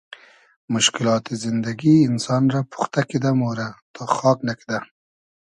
موشکیلات زیندئگی اینسان رۂ پوختۂ کیدۂ مۉرۂ تا خاگ نئکئدۂ